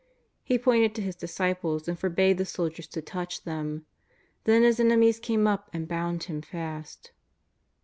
He pointed to His disciples, and forbade the soldiers to touch them. Then His enemies came up and bound Him fast.